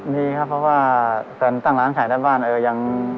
ดีครับเพราะว่าแฟนตั้งร้านขายด้านบ้านเออยัง